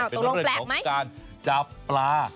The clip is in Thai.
ตรงแปลกไหมเป็นเรื่องของการจับปลา